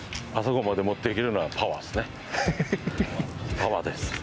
パワーです。